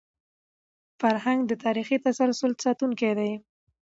فرهنګ د تاریخي تسلسل ساتونکی دی.